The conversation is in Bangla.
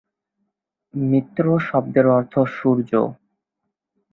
মিত্র শব্দের অর্থ সূর্য।